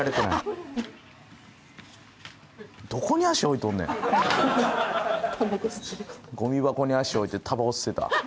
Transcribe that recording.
ゴミ箱に足置いてタバコ吸ってた。